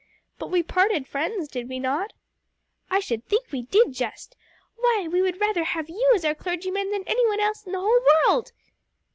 "But we parted friends, did we not?" "I should think we did just! Why we would rather have you as our clergyman than any one else in the whole world!"